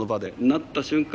なった瞬間